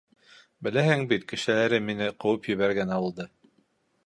Беләһең бит кешеләре мине ҡыуып ебәргән ауылды?